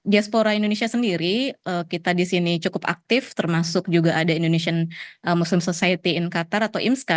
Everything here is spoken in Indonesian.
diaspora indonesia sendiri kita di sini cukup aktif termasuk juga ada indonesian muslim society in qatar atau imska